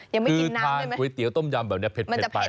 คือทานก๋วยเตี๋ยวต้มยำแบบนี้เผ็ดไป